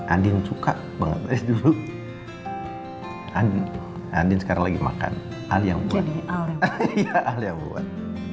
andien suka banget dulu andien sekarang lagi makan al yang buat